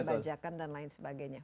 bajakan dan lain sebagainya